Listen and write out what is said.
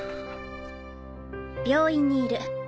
「病院にいる。